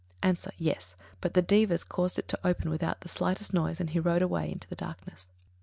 _ A. Yes; but the Devas caused it to open without the slightest noise, and he rode away into the darkness.